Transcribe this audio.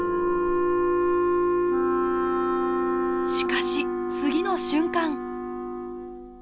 しかし次の瞬間。